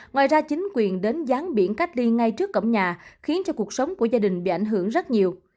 ngoài ra chính quyền đến dán biển cách ly ngay trước cổng nhà khiến cho cuộc sống của gia đình bị ảnh hưởng rất nhiều